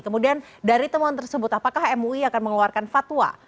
kemudian dari temuan tersebut apakah mui akan mengeluarkan fatwa